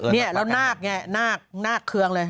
เนี่ยแล้วนาคเนี่ยนาคเครื่องเลย